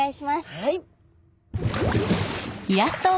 はい。